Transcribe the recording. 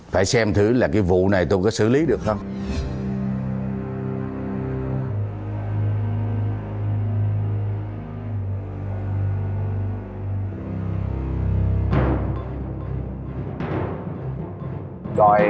phải xem thử là cái vụ này tôi có xử lý được không